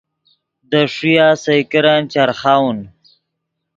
دے ݰویہ سئے کرن چرخاؤن